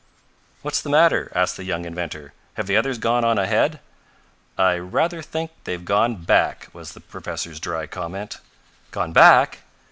"What's the matter?" asked the young inventor. "Have the others gone on ahead?" "I rather think they've gone back," was the professor's dry comment. "Gone back?"